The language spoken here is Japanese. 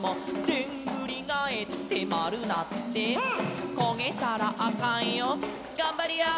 「でんぐりがえってまるなって」「こげたらあかんよがんばりやー」